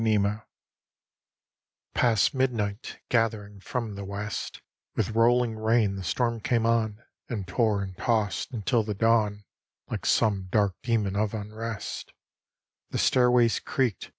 XXXI Past midnight, gathering from the west, With rolling rain the storm came on, And tore and tossed until the dawn, Like some dark demon of unrest: The stairways creaked!